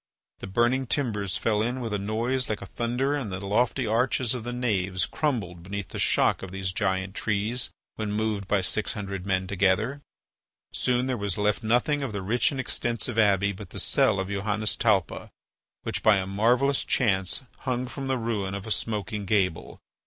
The burning timbers fell in with a noise like thunder and the lofty arches of the naves crumbled beneath the shock of these giant trees when moved by six hundred men together. Soon there was left nothing of the rich and extensive abbey but the cell of Johannes Talpa, which, by a marvellous chance, hung from the ruin of a smoking gable.